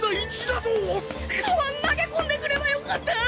投げ込んでくればよかった！